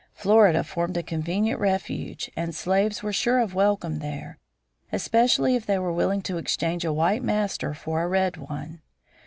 Florida formed a convenient refuge, and slaves were sure of welcome there, especially if they were willing to exchange a white master for a red one.